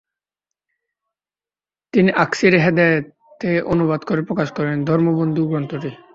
তিনি 'আকসিরে হেদায়েত' থেকে অনুবাদ করে প্রকাশ করেন 'ধর্ম-বন্ধু' গ্রন্থটি।